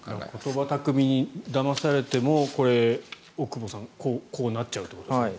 言葉巧みにだまされても奥窪さんこうなっちゃうということですね。